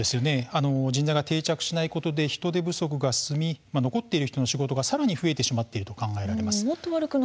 人材が定着しないで人手不足が進み残っている人の仕事がもっと増えてしまうということが考えられます。